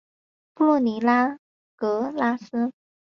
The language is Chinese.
布洛尼拉格拉斯。